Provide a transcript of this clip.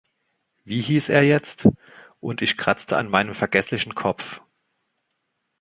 Wie hieß er jetzt?" Und ich kratzte an meinem vergesslichen Kopf.